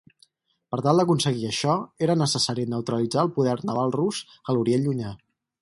Per tal d'aconseguir això, era necessari neutralitzar el poder naval rus a l'Orient llunyà.